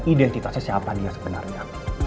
identitasnya siapa dia sebenarnya